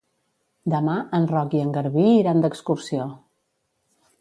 Demà en Roc i en Garbí iran d'excursió.